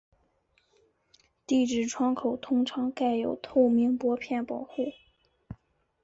地址窗口通常盖有透明薄片保护。